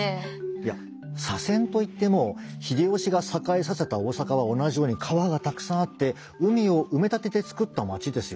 いや左遷といっても秀吉が栄えさせた大坂は同じように川がたくさんあって海を埋め立ててつくった町ですよね。